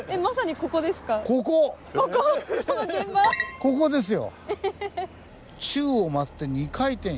ここですよ。